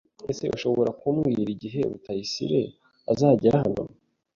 ese ushobora kumbwira igihe Rutayisire azagera hano,